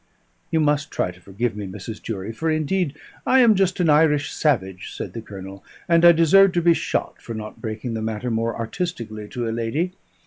"You must try to forgive me, Mrs. Durie, for indeed and I am just an Irish savage," said the Colonel; "and I deserve to be shot, for not breaking the matter more artistically to a lady.